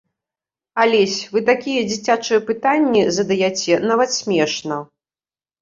Алесь, вы такія дзіцячыя пытанні задаяце, нават смешна.